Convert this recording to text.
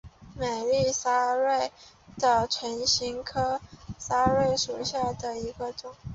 美丽沙穗为唇形科沙穗属下的一个种。